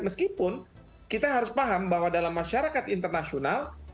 meskipun kita harus paham bahwa dalam masyarakat internasional